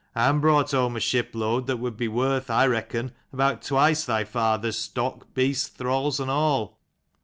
" And brought home a shipload that would be worth, I reckon, about twice their father's stock, beasts, thralls, and all."